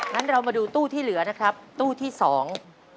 งั้นเรามาดูตู้ที่เหลือนะครับตู้ที่สอง